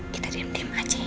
kita diam diam aja ya